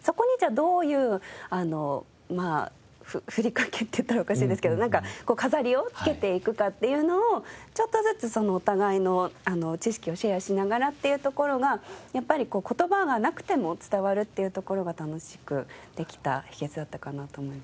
どういうまあふりかけって言ったらおかしいですけどなんか飾りをつけていくかっていうのをちょっとずつお互いの知識をシェアしながらっていうところがやっぱり言葉がなくても伝わるっていうところが楽しくできた秘訣だったかなと思う。